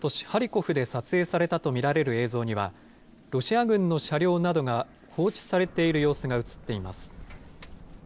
ハリコフで撮影されたと見られる映像には、ロシア軍の車両などが放置されている様子が映っています。